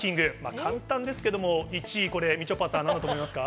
簡単ですけれども１位、みちょぱさん、なんだと思いますか？